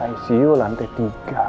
icu lantai tiga